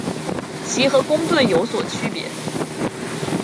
其和公吨有所区别。